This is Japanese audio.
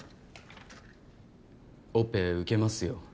オペ受けますよ